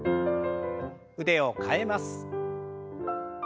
腕を替えます。